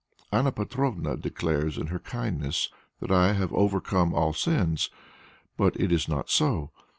Anna Petrovna declares in her kindness that I have overcome all sins, but it is not so.